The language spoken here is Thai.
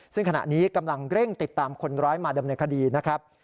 ซึ่งขณะนี้กำลังเร่งติดตามคนร้ายมาดำเนินคดีนะครับ